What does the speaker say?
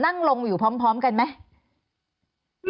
นั่งลงอยู่พร้อมกันไหม